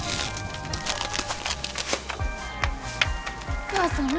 お母さん何？